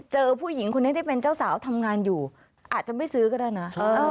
ผู้หญิงคนนี้ที่เป็นเจ้าสาวทำงานอยู่อาจจะไม่ซื้อก็ได้นะ